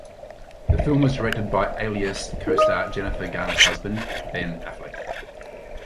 The film was directed by "Alias" co-star Jennifer Garner's husband, Ben Affleck.